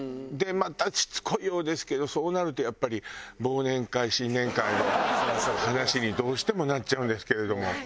でまたしつこいようですけどそうなるとやっぱり忘年会新年会の話にどうしてもなっちゃうんですけれども。